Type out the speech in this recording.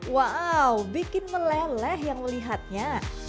wow bikin meleleh yang melihatnya